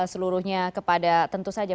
seluruhnya kepada tentu saja